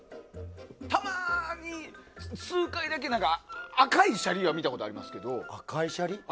たまに、数回だけ赤いシャリは見たことありますけど。